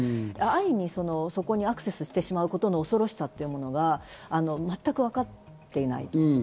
安易にそこにアクセスしてしまうことの恐ろしさが全くわかっていない。